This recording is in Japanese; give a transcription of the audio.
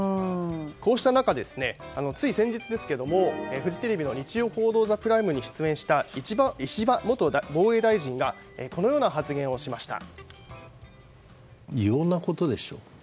こうした中、つい先日フジテレビの「日曜報道ＴＨＥＰＲＩＭＥ」に出演した石破元防衛大臣がこのような発言をしました。